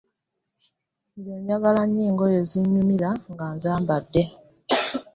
Nze njagala nnyo engoye ezinyumira nga nzambade.